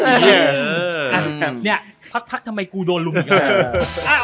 เนี่ยพักทำไมกูโดนลุมอีกแล้ว